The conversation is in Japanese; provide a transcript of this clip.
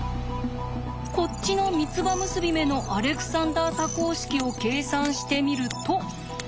こっちの三つ葉結び目のアレクサンダー多項式を計算してみると。